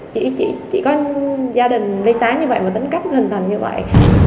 chỉ có gia đình vi tá như vậy mà tính cách hình thành như vậy